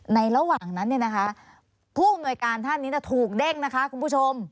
ในระหว่างนั้นเนี่ยนะคะผู้บริการท่านนี้ถูกเด้งนะคะคุณผู้ชม